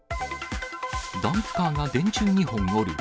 ダンプカーが電柱２本折る。